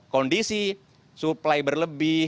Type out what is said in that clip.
kondisi supply berlebih